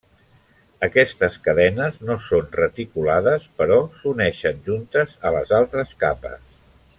Aquestes cadenes no són reticulades però s'uneixen juntes a les altres capes.